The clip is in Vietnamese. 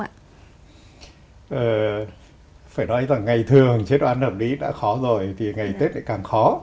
phải nói rằng ngày thường chế độ ăn hợp lý đã khó rồi thì ngày tết lại càng khó